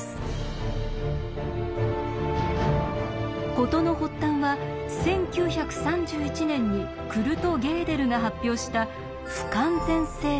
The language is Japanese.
事の発端は１９３１年にクルト・ゲーデルが発表した「不完全性定理」。